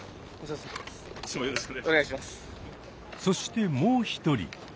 そしてもう一人。